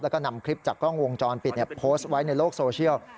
แล้วก็นำคลิปจากกล้องวงจรปิดโพสต์ไว้ในโลกโซเชียล